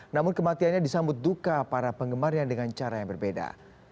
namun kematiannya disambut duka para penggemarnya dengan cara yang berbeda